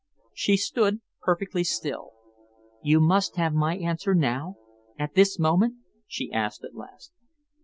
She stood perfectly still. "You must have my answer now, at this moment?" she asked at last.